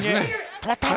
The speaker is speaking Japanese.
止まった。